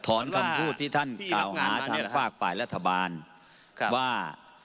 คำพูดที่ท่านกล่าวหาทางฝากฝ่ายรัฐบาลว่า